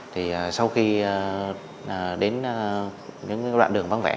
thì sau khi đến những đoạn đường vắng vẻ